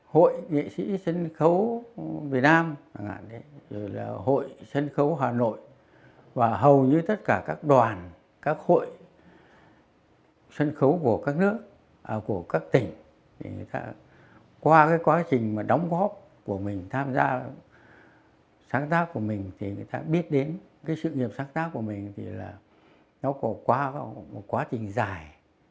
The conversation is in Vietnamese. hội nghệ sĩ sân khấu việt nam hội sân khấu hà nội và hầu như tất cả các đoàn các hội sân khấu của các tỉnh qua quá trình đóng góp của mình tham gia sáng tác của mình thì người ta biết đến sự nghiệp sáng tác của mình thì nó có quá trình dài